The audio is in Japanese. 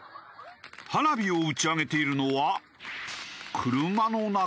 花火を打ち上げているのは。